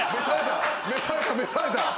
召された召された！